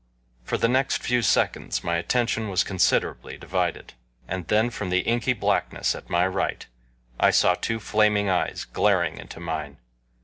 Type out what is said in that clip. For the next few seconds my attention was considerably divided. And then from the inky blackness at my right I saw two flaming eyes glaring into mine.